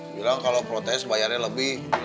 bilang kalau protes bayarnya lebih